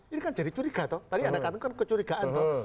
ini kan jadi curiga tuh tadi anda katakan kecurigaan tuh